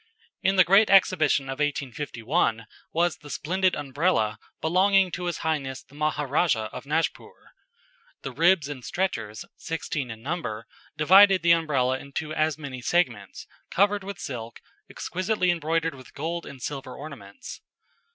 In the Great Exhibition of 1851 was the splendid Umbrella belonging to his Highness the Maharajah of Najpoor. The ribs and stretchers, sixteen in number, divided the Umbrella into as many segments, covered with silk, exquisitely embroidered with gold and silver ornaments.